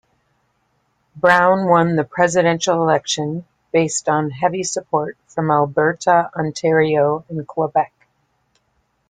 Brown won the presidential election based on heavy support from Alberta, Ontario and Quebec.